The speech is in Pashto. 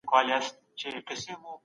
د ماضي نه باید زده کړه وکړو.